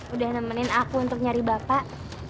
udah nemenin aku untuk nyari bapak